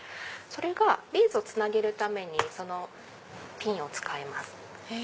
ビーズをつなげるためにそのピンを使います。